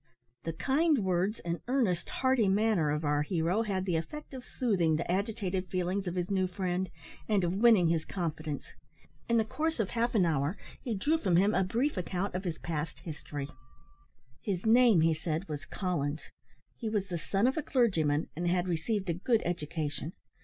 The kind words, and earnest, hearty manner of our hero, had the effect of soothing the agitated feelings of his new friend, and of winning his confidence. In the course of half an hour, he drew from him a brief account of his past history. His name, he said, was Collins; he was the son of a clergyman, and had received a good education.